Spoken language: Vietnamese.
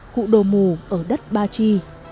cụ đồ mù ở đất ba chi